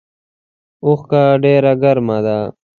اوښکه ډیره ګرمه ده